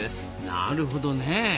なるほどねえ。